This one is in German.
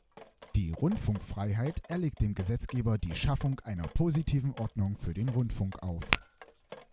Die Rundfunkfreiheit erlegt dem Gesetzgeber die Schaffung einer positiven Ordnung für den Rundfunk auf.